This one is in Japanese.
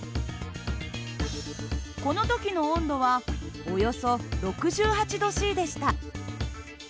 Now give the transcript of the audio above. この時の温度はおよそ６８℃でした。